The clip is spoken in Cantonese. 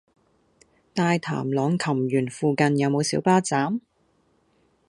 大潭浪琴園附近有無小巴站？